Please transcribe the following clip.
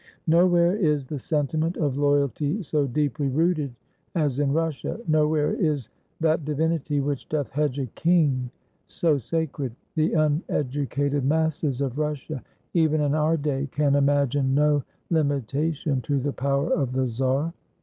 Nowhere is the sentiment of loy alty so deeply rooted as in Russia; nowhere is "that di vinity which doth hedge a king" so sacred. The unedu cated masses of Russia, even in our day, can imagine no limitation to the power of the czar.